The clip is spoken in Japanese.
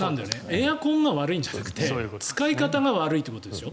エアコンが悪いんじゃなくて使い方が悪い。